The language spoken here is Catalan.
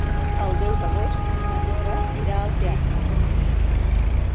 El deu d'agost na Nora irà al teatre.